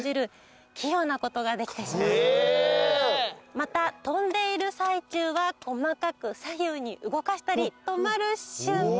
また飛んでいる最中は細かく左右に動かしたり止まる瞬間。